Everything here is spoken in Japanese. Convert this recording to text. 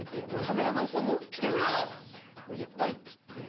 もうやばいっつって。